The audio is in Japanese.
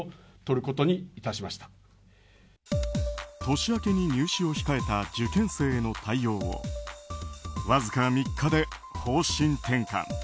年明けに入試を控えた受験生への対応をわずか３日で方針転換。